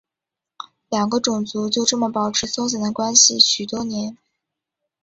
两个种族就这么保持松散的关系许多年。